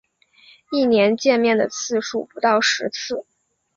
一年见面的次数不到十次